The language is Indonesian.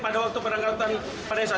pada waktu perangkatan vanessa